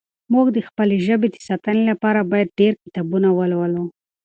موږ د خپلې ژبې د ساتنې لپاره باید ډېر کتابونه ولولو.